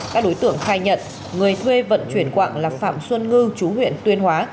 các đối tượng khai nhận người thuê vận chuyển quạng là phạm xuân ngư chú huyện tuyên hóa